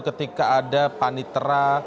ketika ada panitera